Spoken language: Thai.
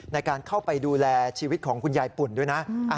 ในการเข้าไปดูแลชีวิตของคุณยายปุ่นด้วยนะ